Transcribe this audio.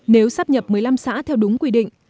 nếu sắp nhập một mươi năm xã theo đúng quy định